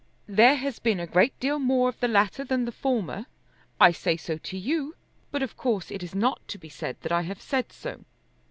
"There has been a great deal more of the latter than the former. I say so to you, but of course it is not to be said that I have said so.